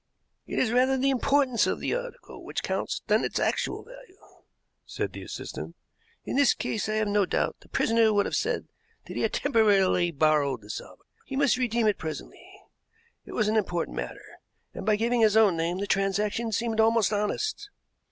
"It is rather the importance of the article which counts than its actual value," said the assistant. "In this case I have no doubt the prisoner would have said that he had temporarily borrowed the salver. He must redeem it presently; it was an important matter, and by giving his own name the transaction seemed almost honest."